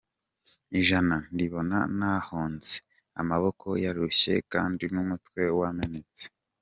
Ijana ndibona nahonze, amaboko yarushye kandi n’umutwe wamenetse.